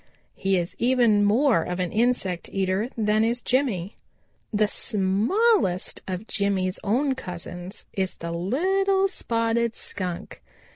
He is even more of an insect eater than is Jimmy. "The smallest of Jimmy's own cousins is the Little Spotted Skunk.